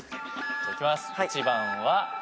じゃあいきます。